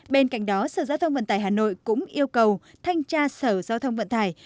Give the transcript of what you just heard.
bên cạnh đó sở giao thông vận tải hà nội cũng yêu cầu thanh tra sở giao thông vận tải